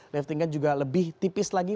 lifting gas juga lebih tipis lagi